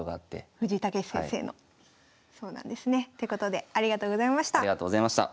そうなんですね。ということでありがとうございました。